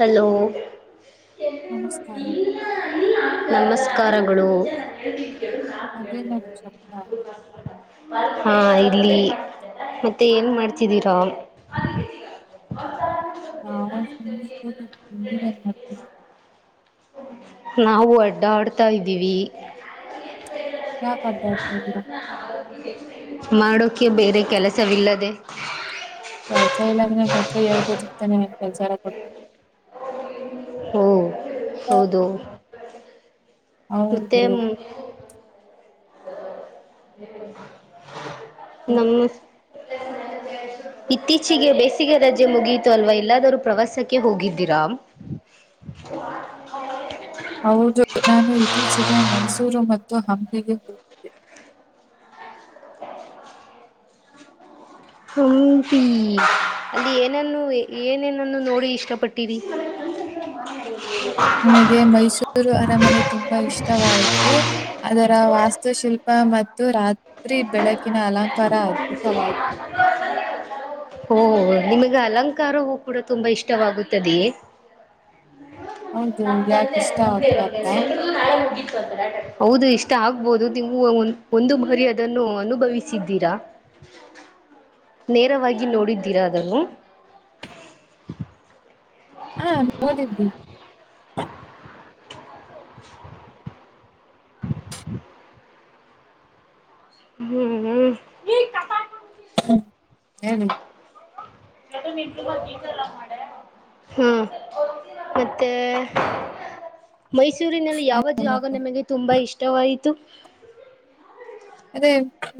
Hello ನಮಸ್ಕಾರ ನಮಸ್ಕಾರಗಳು. ಅದ ನ ಶಕ್ತ [unintelligible] ಹಾ ಇಲ್ಲಿ ಮತ್ತೆ ಏನ್ ಮಾಡ್ತಿದ್ದೀರಾ? ನಾ ತಿ್ತ [unintelligible] ನಾವು ಅಡ್ಡ ಆಡ್ತಾಯ್ದೀವಿ. ಯದತ [unintelligible] ಮಾಡಕೆ ಬೇರೆ ಕೆಲಸವಿಲ್ಲದೆ. [unintelligible] [inaudible] ಕೆಲಸ ಇಲ್ಲಂದ್ರೆಗೆ ಹ ಹೇಳ್ಬೋಿರ್ತಾನೆ ಕೆಲ್ಸ ಎರ ಕೊಡ್ ಹ್ಮ್ ಹೌದು ಹೌದು ಮುತ್ತೇಮು ನಮಸ್ ಇತ್ತೀಚಿಗೆ ಬೇಸಿಗೆ ರಜೆ ಮುಗಿಯಿತು ಅಲ್ವಾ ಎಲ್ಲಾದರೂ ಪ್ರವಾಸಕ್ಕೆ ಹೋಗಿದ್ದೀರಾ ೌ [inaudible] ಹೌದು ನಾನು ಇತ್ತೀಚೆಗೆ ಮೈಸೂರು ಮತ್ತು ಹಂಪಿಗೆ ಹೋಗ ಹಂಪಿ ಅಲ್ಲಿ ಏನನ್ನು ಏನೇನನ್ನು ನೋಡಿ ಇಷ್ಟಪಟ್ಟಿರಿ [inaudible] [inaudible] ನಿನಗೆ ಮೈಸೂ ರು ಅರಮನೆ ತುಂಬಾ ಇಷ್ಟವಾಯಿತು ಅದರ ವಾಸ್ತುಶಿಲ್ಪ ಮತ್ತು ರಾ ರಿ ಬೆಳಕಿನ ಅಲಂಕಾರ ಅದ್ಭುತವಾಗಿ ಹ [inaudible] ಓ ನಿಮಗೆ ಅಲಂಕಾರವು ಕೂಡ ತುಂಬಾ ಇಷ್ಟವಾಗು ತದೆಯೇ ಹೌದು ನ ಯಾಕೆ ಇಷ್ಟ ಮ ಆಗ್ಬಾರ್ದಾ ಇ [inaudible] ಹೌದು ಇಷ್ಟ ಆಗ್ಬಹುದು ಒಂದು [unintelligible] ಬಾರಿ ಅದನ್ನು ಅನುಭವಿಸಿ ಸಿದ್ದಿರಾ ನೇರವಾಗಿ ನೋಡಿದ್ದೀರಾ ಅದನ್ನು ಹ [inaudible] ಹಾ ಓದಿದ್ವಿ ಹ್ಮ್ ಹ್ಮ್ ಹ್ಮ್ ಹ್ಮ್ ಏನು [unintelligible] ಕೆಟು ಮಂಟ್ಲು ಬಿ ಚಲ್ಲ ಮಾಡೆ ಹ್ಞ ಮತ್ತೆ ಮೈಸೂರಿನಲ್ಲಿ ಏನ್ ಯಾವ ಜಾಗ ಹೇಳಕ್ಕೆ ನಿಮಗೆ ತುಂಬಾ ಇಷ್ಟವಾಯಿತು ಅದೇ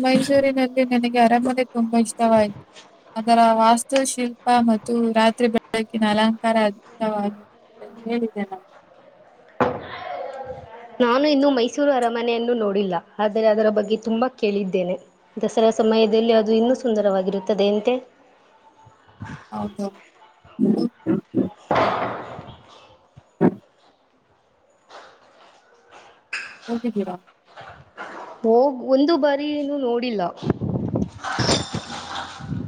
ಮೈಸೂರಿನಲ್ಲಿ ನನಗೆ ಅರಮನೆ ತುಂಬಾ ಇಷ್ಟವಾಯ್ತು ಅದರ ವಾಸ್ತುಶಿಲ್ಪ ಪ್ಪ ಮತ್ತು ರಾತ್ರಿ ಬೆಳಕಿನ ಅಲಂಕಾರ ಅದ್ಭುತವಾಗಿ ಹೇಳಿದೆ ನಾನು ನಾನು ಇನ್ನು ಮೈಸೂರು ಅರಮನೆಯನ್ನು ನೋಡಿಲ್ಲ ಆದರೆ ಅದರ ಬಗ್ಗೆ ತುಂಬಾ ಕೇಳಿದ್ದೇನೆ ದಸರಾ ಸಮಯದಲ್ಲಿ ಅದು ಇನ್ನೂ ಸುಂದರವಾಗಿರುತ್ತದೆ ಎಂತೆ ಹೌದು ಹೋಗಿದಿರ ಹೋಗ್ ಒಂದು ಬಾರಿ ನು ನೋಡಿಲ್ಲ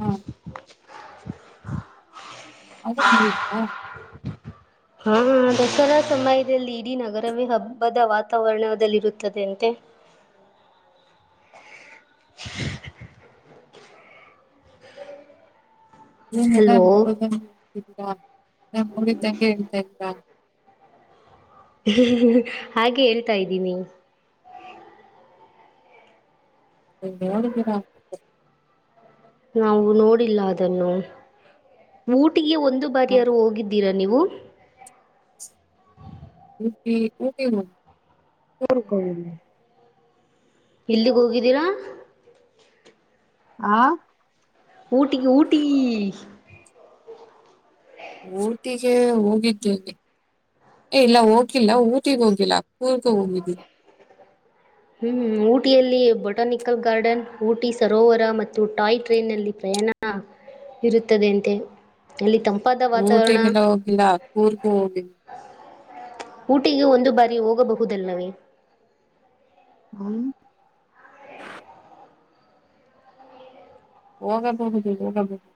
ಹಾ ಅದೇ [unintelligible] ನಡಿದವಾ ಹಾ ದಸರಾ ಸಮಯದಲ್ಲಿ ಇಡೀ ನಗರವೇ ಹಬ್ಬದ ವಾತಾವರಣದಲ್ಲಿರುತ್ತದೆ ಅಂತೆ [inaudible] [inaudible] [unintelligible] [inaudible] ಏನ್ಲ್ಲ ಹಲೋ ನೋಡದಂ ಹೇಳ್ತಿದ್ರಾ ನಾ ನೋಡಿದಂಗೆ ಹೇಳ್ತಾ ಇದಿದ್ರಾ ಹಾಗೆ ಹೇಳ್ತಾ ಇದ್ದೀನಿ [unintelligible] ನೋಡಿದಿರಾ ನಾವು ನೋಡಿಲ್ಲ ಅದನ್ನು ಊಟಿಗೆ ಒಂದು ಬಾರಿ ಹಾ, ಯಾರು ಹೋಗಿದ್ದೀರಾ ನೀವು ಊಟಿ [unintelligible] ಊ ಹಕ ಎಲ್ಲಿಗ್ ಹೋಗಿದ್ದೀರಾ ಹಾ ಊಟಿಗ್ ಊಟಿ ಊಟಿಗೆ ಹೋಗಿದ್ದೇವೆ. ಏ ಇಲ್ಲ ಹೋಗಿಲ್ಲ ಊಟಿಗ್ ಹೋಗಿಲ್ಲ ಕೂರ್ಗ ಹೋಗಿದ್ದೀವಿ. ಹ್ಮ್ ಊಟಿಯಲ್ಲಿ ಬೊಟಾನಿಕಲ್ ಗಾರ್ಡನ್ ಊಟಿ ಸರೋವರ ಮತ್ತು ಟಾಯ್ ಟ್ರೈನ್ಲ್ಲಿ ಪ್ರಯಾಣ. ಇರುತ್ತದೆಯಂತೆ ಅಲ್ಲಿ ತಮ್ ಊಟಿಗ್ ಎಲ್ಲ ಹೋಗಿಲ್ಲ ಕೂರ್ಗೂ ಹೋಗಿ ಊಟಿಗೆ ಒಂದು ಬಾರಿ ಹೋಗಬಹುದಲ್ಲವೇ. ಹ್ಮ. ಹೋಗಬಹುದು ಹೋಗಬಹುದು.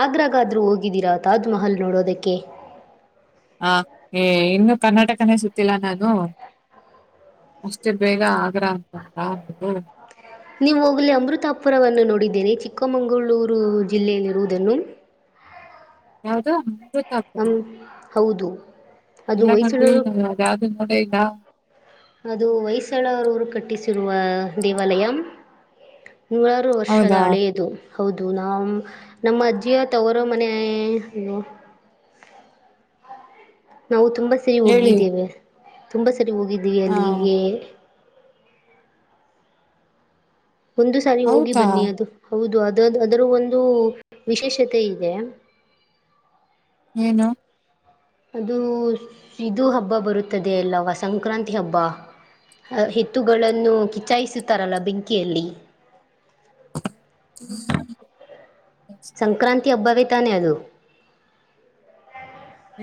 ಆಗ್ರಾಗ ಆದ್ರು ಹೋಗಿದ್ದೀರಾ ತಾಜ್ಮಹಲ್ ನೋಡೋದಕ್ಕೆ. ಹ ಏ ಇನ್ನುೂ ಕರ್ನಾಟಕನೇ ಸುತ್ತಿಲ್ಲ ನಾನು. ಅಷ್ಟೇ ಬೇಗ ಆಗ್ರ ಅಂತ [unintelligible] ನೀವು ಹೋಗಲಿ ಅಮೃತಾಪುರವನ್ನು ನೋಡಿದ್ದೇನೆ ಚಿಕ್ಕಮಂಗಳೂರು ಜಿಲ್ಲೆಯಲ್ಲಿರುವುದನ್ನು. ಯಾವ್ದು [unintelligible] ಹಂ ಹೌದು. ಅದು ಇಲ್ಲ ಕಂಡ್ರಿ ಹೊಯ್ಸಳರು ನಾವ್ ಅದು ಯಾವ್ದು ನೋಡೆ ಇಲ್ಲ. ಅದು ಹೊಯ್ಸಳರೂರು ಕಟ್ಟಿಸಿರುವ ದೇವಾಲಯ ನೂರಾರು ನೂರಾರು ವರ್ಷದ ಹೌದಾ ಹಳೆಯದು ಹೌದು ನಾವು ನಮ್ಮ ಅಜ್ಜಿಯ ತವರ ಮನೆ ನೋ ನಾವು ತುಂಬಾ ಸರಿ ಹೇಳಿ ಹೋಗಿದ್ದೇವೆ ತುಂಬಾ ಸರಿ ಹೋಗಿದ್ದೀವಿ ಆ ಅಲ್ಲಿಗೆ. ಒಂದು ಸಾರಿ ಹೋಗಿ ಹೌದಾ ಬನ್ನಿ ಅದು ಹೌದು ಅದುದು ಅದರ ಒಂದು ವಿಶೇಷತೆ ಇದೆ. ಏನು. ಅದು ಇದು ಹಬ್ಬ ಬರುತ್ತದೆ ಅಲ್ಲವಾ ಸಂಕ್ರಾಂತಿ ಹಬ್ಬ. ಹೆತ್ತುಗಳನ್ನು ಕಿಚಾಯಿಸುತ್ತಾರಲ್ಲ ಬೆಂಕಿಯಲ್ಲಿ. ಹ್ಮ್ ಸಂಕ್ರಾಂತಿ ಹಬ್ಬಾವೆ ತಾನೆ ಅದು.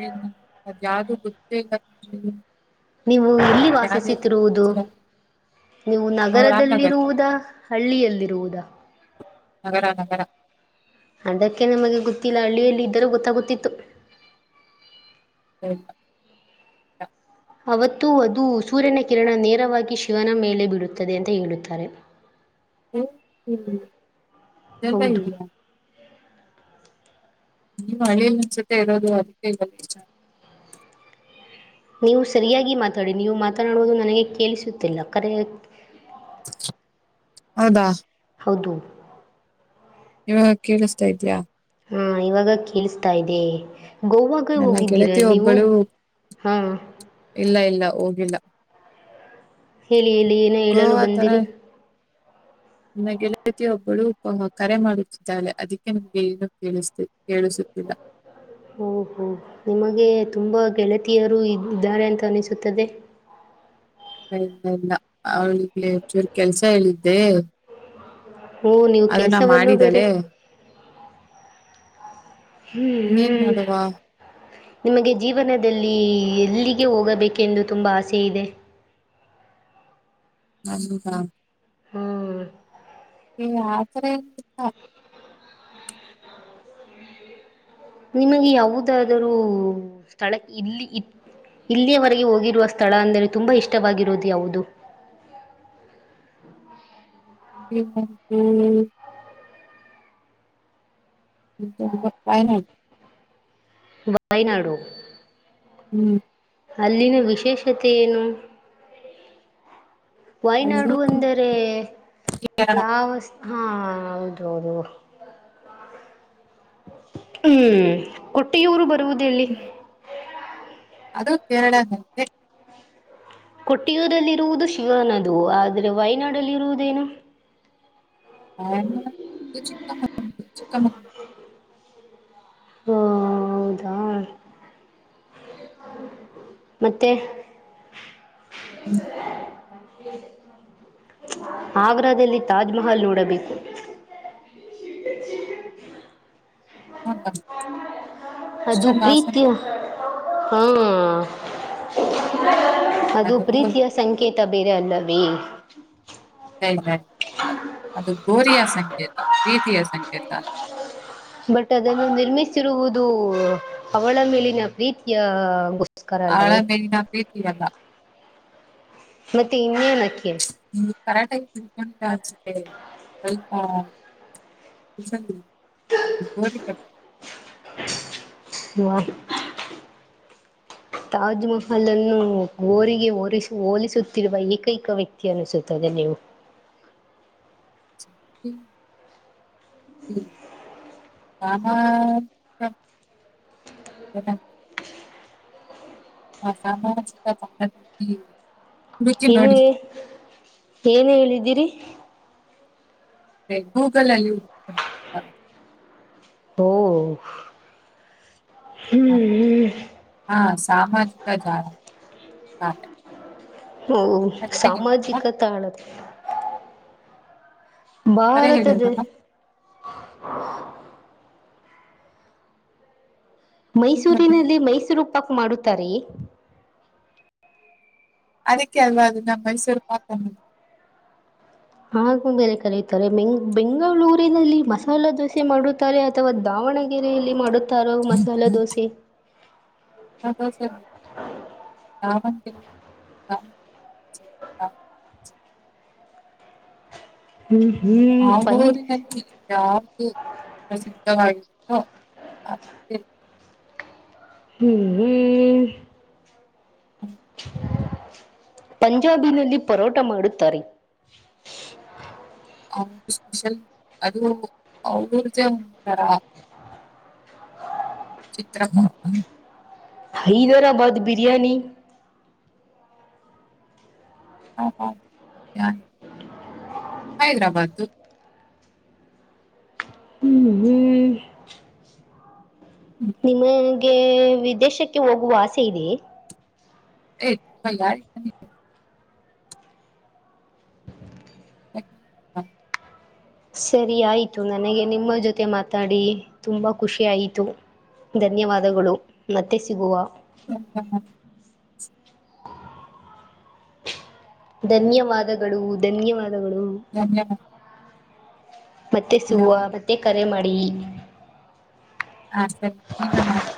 ಏನು ಅದು ಯಾವ್ದು ಗೊತ್ತೇ ಇಲ್ಲ [unintelligible] ನೀವು ಇಲ್ಲಿ ಯಾವ್ದ್ಯಾವ್ದು ವಾಸಿಸುತ್ತಿರುವುದು ಹೇಳ್ತಿದೀರಾ ನೀವು ನಾವು ರಾಮನಗರ್ ನಗರದಲ್ಲಿರುವುದಾ. ಹಳ್ಳಿಯಲ್ಲಿರುವುದಾ. ನಗರ ನಗರ. ಅದಕ್ಕೆ ನಮಗೆ ಗೊತ್ತಿಲ್ಲ ಹಳ್ಳಿಯಲ್ಲಿ ಇದ್ದರೂ ಗೊತ್ತಾಗುತ್ತಿತ್ತು. [unintelligible] ಅವತ್ತು ಅದು ಸೂರ್ಯನ ಕಿರಣ ನೇರವಾಗಿ ಶಿವನ ಮೇಲೆ ಬೀಳುತ್ತದೆ ಅಂತ ಹೇಳುತ್ತಾರೆ. ಹ ಹ್ಮ್ [unintelligible] ಹೌದು ಇದಿಯಾ. ನೀವು ಹಳ್ಳಿಯಲ್ ಅನ್ಸುತ್ತೆ ಇರೋದು ಅದಕ್ಕೆ [unintelligible] ನೀವು ಸರಿಯಾಗಿ ಮಾತಾಡಿ ನೀವು ಮಾತನಾಡುವುದು ನನಗೆ ಕೇಳಿಸುತ್ತಿಲ್ಲ ಕರೆ ಹೌದಾ. ಹೌದು. ಇವಾಗ ಕೇಳಸ್ತಾ ಇದ್ಯಾ. ಹಾ ಇವಾಗ ಕೆಳಸ್ತಾ ಇದೆ ಗೋವಾ ಗೋವಾಗೆ ನನ್ನ ಹೋಗಿದ್ದೀರಾ ಗೆಳತಿ ನೀವು ಒಬ್ಬಳು ಹಾ ಇಲ್ಲ ಇಲ್ಲ ಹೋಗಿಲ್ಲ. ಹೇಳಿ ಹೇಳಿ ಏನೋ ಹೇಳಲು ಗೋವಾ ತರ ಬಂದಿರಿ. ನನ್ನ ಗೆಳತಿ ಒಬ್ಬಳು ಕರೆ ಮಾಡುತ್ತಿದ್ದಾಳೆ ಅದಕ್ಕೆ ನಿಮಗೆ ಈಗ ಕೇಳಿಸ ಕೇಳಿಸುತ್ತಿಲ್ಲ. ಓ ಹೋ ನಿಮಗೆ ತುಂಬ ಗೆಳತಿಯರು ಇದ್ದಾರೆ ಅಂತ ಅನಿಸುತ್ತದೆ. ಏ ಇಲ್ಲ ಇಲ್ಲ ಅವಳಿಗೆ ಒಂಚೂರು ಕೆಲ್ಸ ಹೇಳಿದ್ದೆ. ಹೋ ನೀವು ಅದನ್ನ ಕೆಲಸವನ್ನು ಬೇರೆ ಮಾಡಿದಾಳೆ [unintelligible] ಹ್ಮ್ ಇನ್ನೇನ್ ಹ್ಮ. ಮಾಡುವ [unintelligible] ನಿಮಗೆ ಜೀವನದಲ್ಲಿ ಎಲ್ಲಿಗೆ ಹೋಗಬೇಕೆಂದು ತುಂಬಾ ಆಸೆ ಇದೆ. [unintelligible] ವಾಸುದಂ. [unintelligible] ಹ್ಮ್ ನಿಂಗ್ ಆತರಾ ಏನ್. [unintelligible] ನಿಮಗೆ ಯಾವುದಾದರೂ ಸ್ಥಳಕೇ ಇಲ್ಲಿ ಇ [unintelligible] ಇಲ್ಲಿಯವರೆಗೆ ಹೋಗಿರುವ ಸ್ಥಳ ಅಂದರೆ ತುಂಬ ಇಷ್ಟವಾಗಿರೋದು ಯಾವುದು? [unintelligible] ಟಿ ಕಪ್ಪು. [unintelligible] [inaudible] ವಾಯ ನಾಡು. [unintelligible] ಹ್ಮ್. [unintelligible] ಅಲ್ಲಿನ ವಿಶೇಷತೆ ಏನು? [unintelligible] ಅಲ್ಲಿ ವೈನಾಡು ಅಂದರೆ ಕೇರಳ ಯಾವ ಹಾ ಹೌದು ಹೌದು ಊರು. [unintelligible] ಹ್ಮ್ ಊಟ್ಟಿ ಊರು ಬರುವುದು ಎಲ್ಲಿ. ಹ್ಮ್, [unintelligible] ಅದು ಕೇರಳ ಹತ್ತಿರ [unintelligible] ಕುಟ್ಟಿಯೂದಲ್ಲಿರುವುದು ಶಿವನದು ಆದರೆ ವೈನಾಡ್ ಅಲ್ಲಿ ಇರೋದೇನು. [unintelligible] ವೈನಾಡ್ ಚಿಕ್ಕಮಂಗಳೂರು ಚಿಕ್ಕ ಮಂಗಳೂರು. [unintelligible] ಹ ಹೌದಾ. [unintelligible] ಮತ್ತೆ. [unintelligible] ಹ್ಞೂ. [unintelligible] ಆಗ್ರಾದಲ್ಲಿ ತಾಜ್ಮಹಲ್ ನೋಡಬೇಕು. [unintelligible] ಅದು ಇಷ್ಟೊಂದು ಹಾಸನ ಪ್ರೀತಿಯು. [inaudible] ಹಾ ಅದು ಪ್ರೀತಿಯ [inaudible] ಸಂಕೇತ ಬೇರೆ ಅಲ್ಲವೇ. [unintelligible] ಎಕ್ಸಾಕ್ಟ್ ಅದು ಗೋರಿಯ ಸಂಕೇತ ಪ್ರೀತಿಯ ಸಂಕೇತ ಅಲ್ಲ. [unintelligible] ಬಟ್ ಅದನ್ನು ನಿರ್ಮಿಸಿರುವುದು ಅವಳ ಮೇಲಿನ ಪ್ರೀತಿಯ ಹು [unintelligible] ನಮಸ್ಕಾರ ಅಲ್ಲವೇ ಆಳಮೇಲಿನ ಪ್ರೀತಿ ಅಲ್ಲ ಮತ್ತೆ ಇನ್ನೇನಕ್ಕೆ. [unintelligible] ನಿಂದು ಕರಾಟೆ ಸ್ವಲ್ಪ. [inaudible] [inaudible] ನೋ ಅದು. [unintelligible] ತಾಜ್ ಮಹಲ್ ಅನ್ನು ಗೋರಿಗೆ ಹೋರಿಸಿ ಹೋಲಿಸುತ್ತಿರುವ ಏಕೈಕ ವ್ಯಕ್ತಿ ಅನ್ನಿಸುತ್ತದೆ ನೀವು. [unintelligible] ಹ್ಮ. [unintelligible] ಹ್ಞ ಸ್ಥಾನಕ್ಕ. [unintelligible] ಹೌದ. [unintelligible] ಆ ಸಾಮಾಜಿಕ ಜಾಲ ಹಂ. [unintelligible] ಇನ್ನು ಏನ್ ಹೇಳಿದ್ದೀರಿ. [unintelligible] ಏ ಗೂಗಲಲ್ಲಿ ಹುಡ್ [unintelligible] ಓ ಹ್ಮ್ ಹ್ಮ್. [unintelligible] ಹಾ ಸಾಮಾಜಿಕ ಜಾಲ ಹಾ. [unintelligible] ಹ್ಮ ಹೇಳಿದ ಸಾಮಾಜಿಕ ತಾಳದಲ್ಲಿ. [unintelligible] ಕರೆ ಭಾರತ ಹೇಳಿದ ದೇಶ. ನಮ್ಮ [unintelligible] ಮೈಸೂರಿನಲ್ಲಿ ಮೈಸೂರು ಪಾಕ್ ಮಾಡುತ್ತಾರೇ. [unintelligible] ಅದಕ್ಕೆ ಅಲ್ವಾ ಅದನ್ನ ಮೈಸೂರು ಪಾಕ ಅನುದು. [unintelligible] ಆಗುಂಬೆಯಲ್ಲಿ ಕರೆಯುತ್ತಾರೆ ಮೆಂಗ ಬೆಂಗಳೂರಿನಲ್ಲಿ ಮಸಾಲಾ ದೋಸೆ ಮಾಡುತ್ತಾರೆ. [unintelligible] ಅಥವಾ ದಾವಣಗೆರೆಯಲ್ಲಿ ಮಾಡುತ್ತಾರೋ ಮಸಾಲೆ ದೋಸೆ. [unintelligible] ಹದ ಸರ್ ಆಾಮಂತ ಹಾ [unintelligible] ಹ್ಮ್ ಹ್ಮ್ ಪಂ ಆಂಗೂರಿನಲ್ಲಿ ಯಾದು ಪ್ರಸಿದ್ಧವ [unintelligible] ಹ್ಮ... ಹ್ಮ [inaudible] ಪಂಜಾಬಿನಲ್ಲಿ ಪರೋಟ ಮಾಡುತ್ತಾರೆ. ಸ್ಪೆಷಲ್ ಅದು ಅವ್ದ ಒಂತರ [unintelligible] ಚಿತ್ರ ಹೈದರಾಬಾದ್ ಬಿರಿಯಾನಿ ಹ ಹ ಹೈದ್ರಾಬಾದ ಹ್ಮ ಹ್ಮ [inaudible] [inaudible] ಹ್ಮ್ ನಿಮಗೆ ವಿದೇಶಕ್ಕೆ ಹೋಗುವ ಆಸೆ ಇದೆಯಾ? ಮಗ [unintelligible] ಹಾ [inaudible] ಸರಿ ಆಯ್ತು ನನಗೆ ನಿಮ್ಮ ಜೊತೆ ಮಾತಾಡಿ ತುಂಬಾ ಖುಷಿ ಆಯಿತು. ಧನ್ಯವಾದಗಳು ಮತ್ತೆ ಸಿಗುವ ಹ್ಮ ಹಾ ಹ [unintelligible] ಧನ್ಯವಾದಗಳು. ಧನ್ಯವಾದಗಳು. ಹಾಾ [unintelligible] ಮತ್ತೆ ಸಿಗುವ. ಮತ್ತೆ ಕರೆ ಮಾಡಿ ಹ ಸರಿ ನಿವೇಮಡಿ